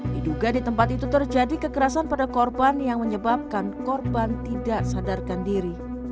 diduga di tempat itu terjadi kekerasan pada korban yang menyebabkan korban tidak sadarkan diri